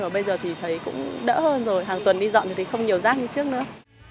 bây giờ thì thấy cũng đỡ hơn rồi hàng tuần đi dọn thì không nhiều rác như trước nữa